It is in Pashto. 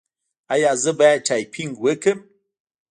ایا زه باید ټایپینګ وکړم؟